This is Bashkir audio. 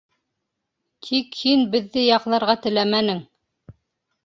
Тик һин беҙҙе яҡларға теләмәнең.